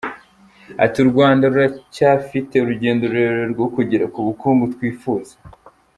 Ati “U Rwanda ruracyafite urugendo rurerure rwo kugera ku bukungu twifuza.